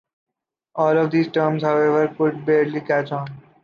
All these terms, however, could barely catch on.